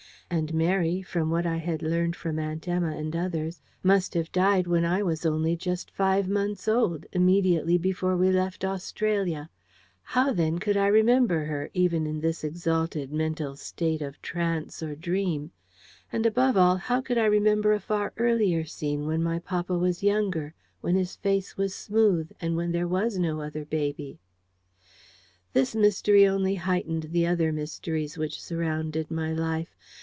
And Mary, from what I had learned from Aunt Emma and others, must have died when I was only just five months old, immediately before we left Australia. How, then, could I remember her, even in this exalted mental state of trance or dream? And, above all, how could I remember a far earlier scene, when my papa was younger, when his face was smooth, and when there was no other baby? This mystery only heightened the other mysteries which surrounded my life.